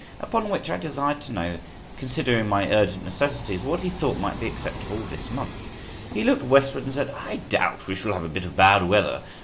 Upon which I desired to know, considering my urgent necessities, what he thought might be acceptable this month. He looked westward and said, "I doubt we shall have a bit of bad weather.